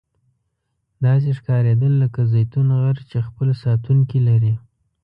داسې ښکاریدل لکه زیتون غر چې خپل ساتونکي لري.